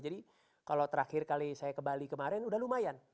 jadi kalau terakhir kali saya ke bali kemarin udah lumayan